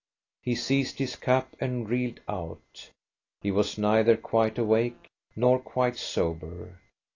He seized his cap and reeled out. He was neither quite awake nor quite sober.